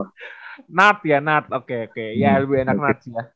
nart ya nart oke oke ya lebih enak nart sih ya